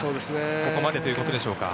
ここまでということでしょうか。